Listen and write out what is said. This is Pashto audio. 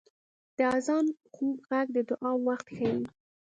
• د آذان خوږ ږغ د دعا وخت ښيي.